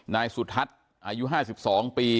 นายสุทัศน์อายุห้าสิบสองปี